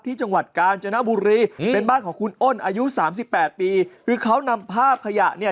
จังหวัดกาญจนบุรีเป็นบ้านของคุณอ้นอายุสามสิบแปดปีคือเขานำภาพขยะเนี่ย